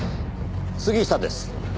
杉下です。